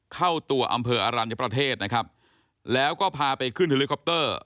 เข้าตัวอำเภออรัญญประเทศนะครับแล้วก็พาไปขึ้นเฮลิคอปเตอร์